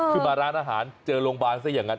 คือมาร้านอาหารเจอโรงพยาบาลซะอย่างนั้น